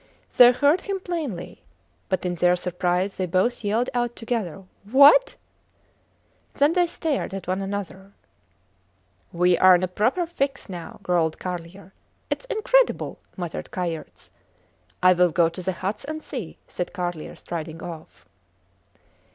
They heard him plainly, but in their surprise they both yelled out together: What! Then they stared at one another. We are in a proper fix now, growled Carlier. Its incredible! muttered Kayerts. I will go to the huts and see, said Carlier, striding off.